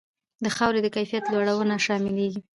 د خاورې د کیفیت لوړونه شاملیږي.